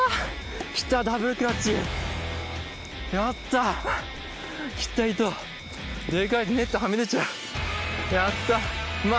来たダブルクラッチやった来たイトウでかいネットはみ出ちゃうやったまぁ